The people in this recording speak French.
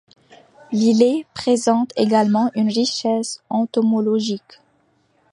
L'îlet présente également une richesse entomologique.